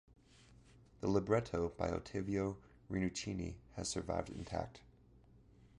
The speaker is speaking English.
The libretto, by Ottavio Rinuccini, has survived intact.